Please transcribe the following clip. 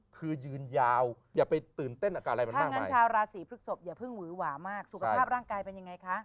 คือยืนยาวอย่าไปเติมเต้นอาการอะไรเป็นมากมาย